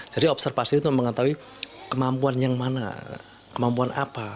jadi observasi itu mengetahui kemampuan yang mana kemampuan apa